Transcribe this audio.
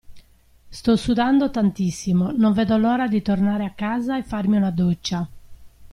Sto sudando tantissimo, non vedo l'ora di tornare a casa e farmi una doccia.